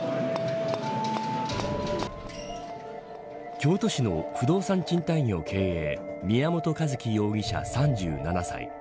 京都市の不動産賃貸業経営宮本一希容疑者３７歳。